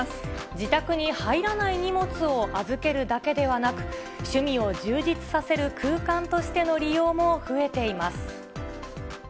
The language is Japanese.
自宅に入らない荷物を預けるだけではなく、趣味を充実させる空間としての利用も増えています。